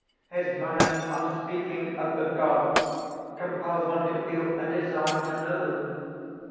"His manner of speaking of the gods compels one to feel a desire to know them.